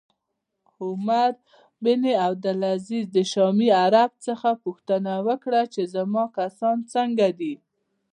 عمر بن عبدالعزیز د شامي عرب څخه پوښتنه وکړه چې زما کسان څنګه دي